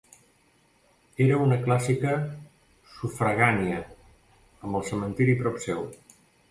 Era una clàssica sufragània, amb el cementiri prop seu.